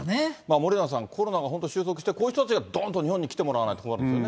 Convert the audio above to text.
森永さん、コロナが本当に収束して、こういう人たちがどーんと日本に来てもらわないと困るんですよね。